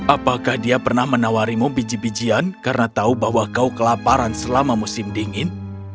apakah dia pernah menawarimu biji bijian karena tahu bahwa kau kelaparan selama musim dingin